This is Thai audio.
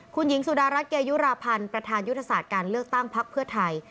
คุณหญิงสุดารัฐเกยุราพันธ์ประธานยุทธศาสตร์การเลือกตั้งพักเพื่อไทย